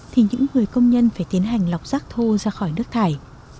thì những người công nhân phải tiến hành lọc rác thô ra khỏi nước thải